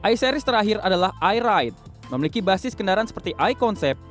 i series terakhir adalah eye ride memiliki basis kendaraan seperti i konsep